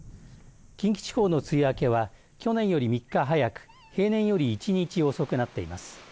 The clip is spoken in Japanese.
近畿地方の梅雨明けは去年より３日早く平年より１日遅くなっています。